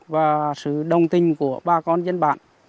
và sự đồng tình của bà con dân bản